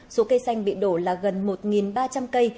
số cây xanh bị đổ là gần một ba trăm linh cây